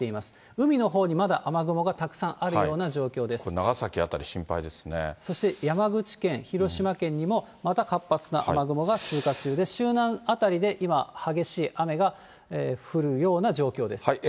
海のほうにまだ雨雲がたくさんあこれ、長崎辺り、そして山口県、広島県にも、また活発な雨雲が通過中で、周南辺りで今、激しい雨が降るような状況です。